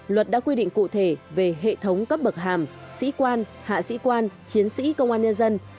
luật đã quy định cụ thể về hệ thống cấp bậc hàm sĩ quan hạ sĩ quan chiến sĩ công an nhân dân